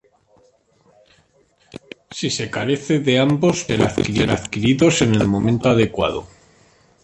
Si se carece de ambos pueden ser adquiridos en el momento adecuado.